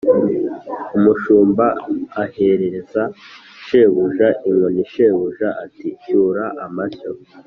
umushumba ahereza shebuja inkoni, shebuja ati: “cyura amashyo”,